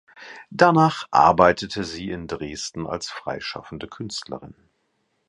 Danach arbeitete sie in Dresden als freischaffende Künstlerin.